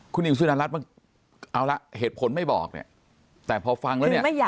คุณอิงสุนรัตน์มันเอาละเหตุผลไม่บอกเนี่ย